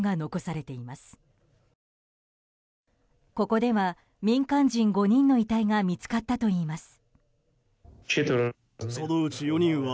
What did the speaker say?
ここでは民間人５人の遺体が見つかったといいます。